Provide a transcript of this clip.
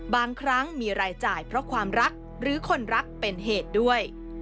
บางครั้งมีรายจ่ายเพราะความรักหรือคนรักเป็นเหตุด้วย